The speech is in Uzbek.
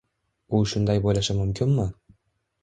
U shunday bo‘lish mumkinmi?!